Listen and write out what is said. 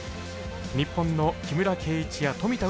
日本の木村敬一や富田